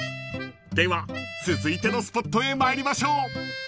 ［では続いてのスポットへ参りましょう］